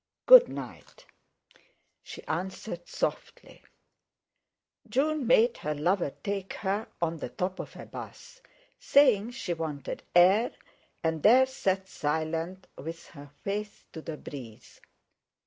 "Good night!" she answered softly.... June made her lover take her on the top of a 'bus, saying she wanted air, and there sat silent, with her face to the breeze.